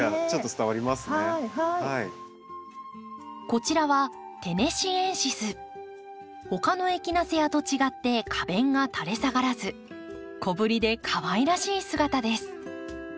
こちらは他のエキナセアと違って花弁がたれ下がらず小ぶりでかわいらしい姿です。